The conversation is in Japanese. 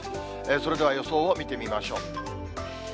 それでは予想を見てみましょう。